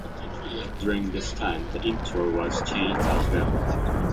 During this time, the intro was changed as well.